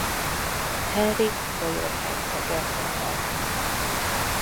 Henrik bajor herceggel szemben.